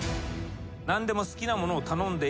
「何でも好きなものを頼んでいい」